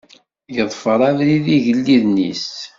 Yeḍfer abrid igelliden-is.